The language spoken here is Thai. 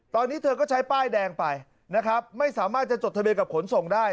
ตอนนี้เธอก็ใช้ป้ายแดงไปนะครับไม่สามารถจะจดทะเบียนกับขนส่งได้